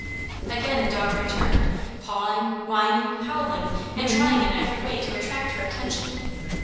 Again the dog returned, pawing, whining, howling, and trying in every way to attract her attention.